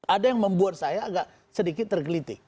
ada yang membuat saya agak sedikit tergelitik